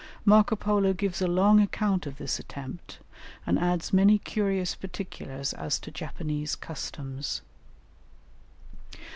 Marco Polo gives a long account of this attempt, and adds many curious particulars as to Japanese customs.